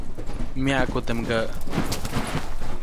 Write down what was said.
Myaʼku teʼ mgäʼ.